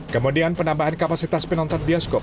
kemudian penambahan kapasitas penonton bioskop